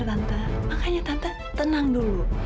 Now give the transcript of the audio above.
tante makanya tante tenang dulu